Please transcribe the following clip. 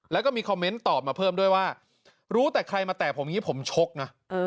แล้วก็มีคอมเมนต์ตอบมาเพิ่มด้วยว่ารู้แต่ใครมาแตะผมอย่างนี้ผมชกนะ